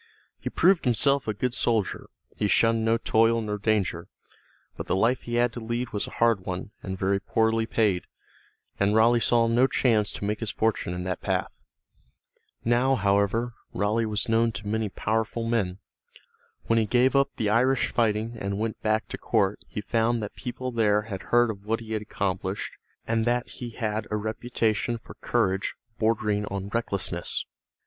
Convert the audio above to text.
He proved himself a good soldier; he shunned no toil nor danger. But the life he had to lead was a hard one, and very poorly paid, and Raleigh saw no chance to make his fortune in that path. Now, however, Raleigh was known to many powerful men. When he gave up the Irish fighting and went back to court he found that people there had heard of what he had accomplished and that he had a reputation for courage bordering on recklessness.